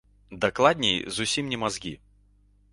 Дакладней, зусім не мазгі.